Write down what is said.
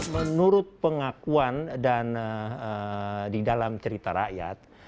menurut pengakuan dan di dalam cerita rakyat